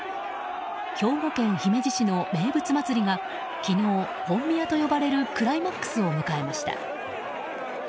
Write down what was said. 兵庫県姫路市の名物祭りが昨日、本宮と呼ばれるクライマックスを迎えました。